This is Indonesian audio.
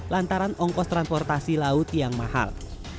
lantaran ongkos transportasi laut yang mahal